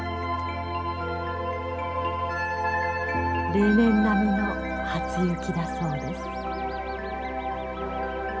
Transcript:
例年並みの初雪だそうです。